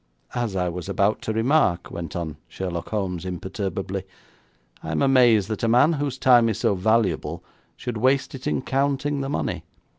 'As I was about to remark,' went on Sherlock Holmes imperturbably, 'I am amazed that a man whose time is so valuable should waste it in counting the money.